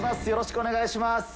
よろしくお願いします。